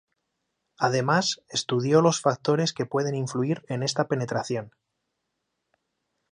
Además estudió los factores que pueden influir en esta penetración.